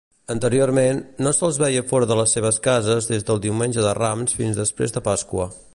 Anteriorment, no se'ls veia fora de les seves cases des del Diumenge de Rams fins després de Pasqua.